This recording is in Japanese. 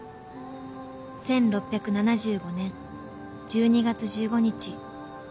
「１６７５年１２月１５日